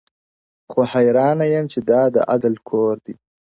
خو حیرانه یم چي دا دعدل کور دی -